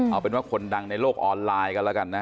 เอาเป็นว่าคนดังในโลกออนไลน์กันแล้วกันนะ